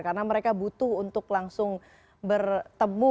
karena mereka butuh untuk langsung bertemu